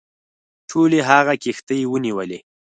ټولي هغه کښتۍ ونیولې.